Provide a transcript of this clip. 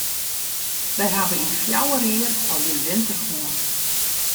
Wy hawwe yn fjouwer jier al gjin winter hân.